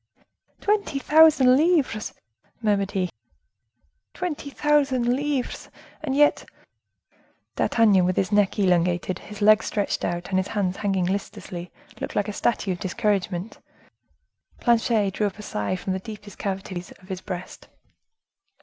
"Twenty thousand livres!" murmured he. "Twenty thousand livres, and yet—" D'Artagnan, with his neck elongated, his legs stretched out, and his hands hanging listlessly, looked like a statue of discouragement. Planchet drew up a sigh from the deepest cavities of his breast.